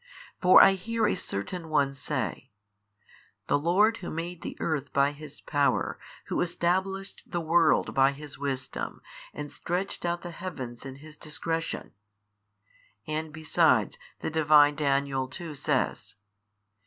For I hear a certain one say, The Lord who made the earth by His power, who established the world by His Wisdom, and stretched out the heavens in His discretion, and besides, the Divine Daniel too says.